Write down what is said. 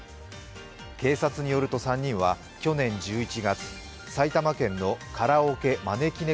警察によると３人は去年１１月、埼玉県のカラオケまねきね